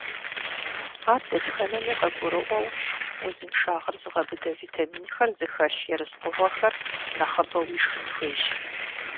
Ар дэтхэнэми къыгурыӏуэу, узыншагъэр зыгъэбыдэ витаминхэр зыхэлъ ерыскъыгъуэхэр нэхъыбэу ишхын хуейщ.